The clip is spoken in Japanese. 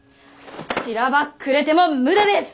しらばっくれても無駄です！